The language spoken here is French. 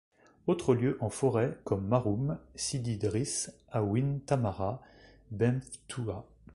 Autres lieux en forêts comme Marhoum, Sidi Drisse, Aouin Tamara Benftouha.